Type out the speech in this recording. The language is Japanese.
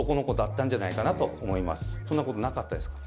そんなことなかったですか？